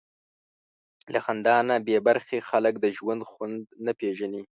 له خندا نه بېبرخې خلک د ژوند خوند نه پېژني.